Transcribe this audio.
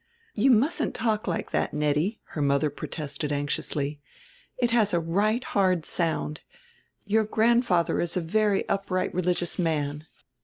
"You mustn't talk like that, Nettie," her mother protested anxiously. "It has a right hard sound. Your grandfather is a very upright religious man.